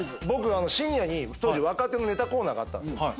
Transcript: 僕深夜に当時若手のネタコーナーがあったんですよ。